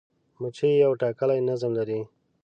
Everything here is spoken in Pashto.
مچمچۍ یو ټاکلی نظم لري